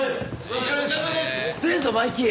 遅えぞマイキー！